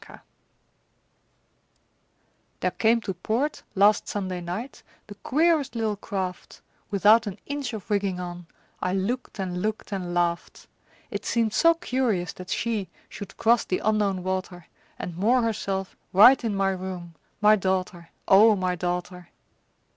(1844 .) There came to port last Sunday night The queerest little craft, Without an inch of rigging on; I looked and looked and laughed. It seemed so curious that she Should cross the Unknown water, And moor herself right in my room, My daughter, O my daughter!